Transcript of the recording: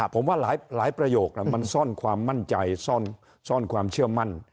ผมว่าหลายประโยคมันซ่อนความมั่นใจซ่อนความเชื่อมั่น